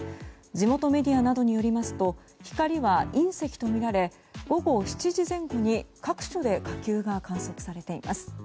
地元メディアなどによりますと光は隕石とみられ午後７時前後に各所で火球が観測されています。